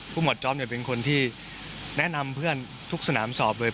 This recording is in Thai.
หมวดจ๊อปเป็นคนที่แนะนำเพื่อนทุกสนามสอบเลย